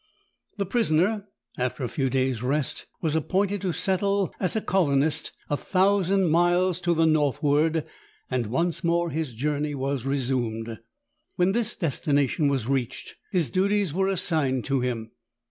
The prisoner, after a few days' rest, was appointed to settle as a colonist a thousand miles to the northward, and once more his journey was resumed. When this destination was reached, his duties were assigned to him.